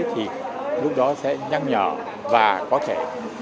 thì lúc đó sẽ